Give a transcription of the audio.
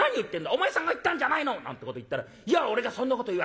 お前さんが言ったんじゃないの』なんてこと言ったら『いや俺がそんなこと言うわけない』。